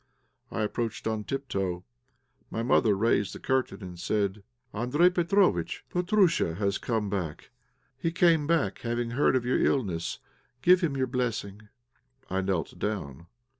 I approached on tiptoe. My mother raised the curtain, and said "Andréj Petróvitch, Petróusha has come back; he came back having heard of your illness. Give him your blessing." I knelt down.